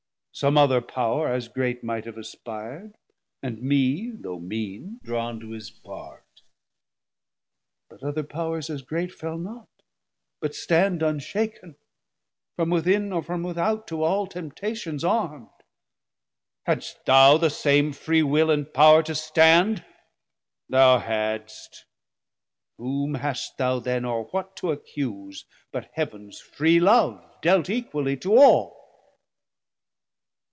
som other Power As great might have aspir'd, and me though mean Drawn to his part; but other Powers as great Fell not, but stand unshak'n, from within Or from without, to all temptations arm'd. Hadst thou the same free Will and Power to stand? Thou hadst: whom hast thou then or what to accuse, But Heav'ns free Love dealt equally to all?